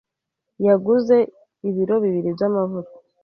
Yaguze ibiro bibiri by'amavuta.